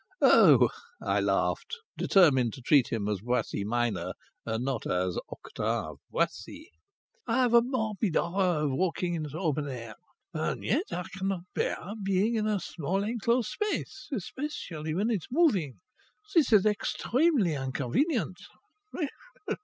"Oh!" I laughed, determined to treat him as Boissy Minor, and not as Octave Boissy. "I have a morbid horror of walking in the open air. And yet I cannot bear being in a small enclosed space, especially when it's moving. This is extremely inconvenient.